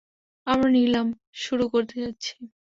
আমরা নিলাম শুরু করতে যাচ্ছি।